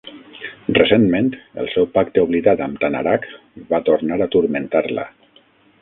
Recentment, el seu pacte oblidat amb Tanaraq va tornar a turmentar-la.